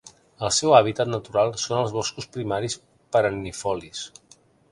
El seu hàbitat natural són els boscos primaris perennifolis.